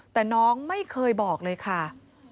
แต่น้องไม่เคยบอกเลยค่ะ